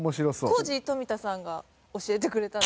コージー冨田さんが教えてくれた。